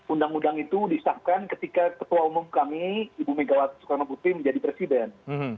undang undang itu disahkan ketika ketua umum kami ibu megawati soekarno putri menjadi presiden